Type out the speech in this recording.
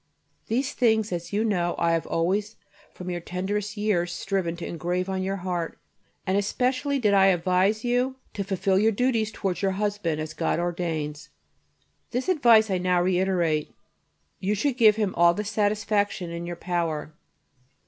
These things, as you know, I have always, from your tenderest years, striven to engrave on your heart, and especially did I advise you to fulfil all your duties towards your husband, as God ordains. This advice I now reiterate. You should give him all the satisfaction in your power.